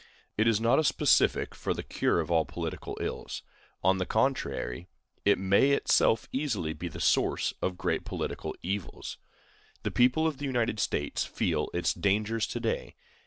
It is not a specific for the cure of all political ills; on the contrary, it may itself easily be the source of great political evils. The people of the United States feel its dangers to day.